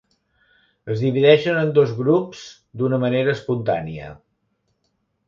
Es divideixen en dos grups d'una manera espontània.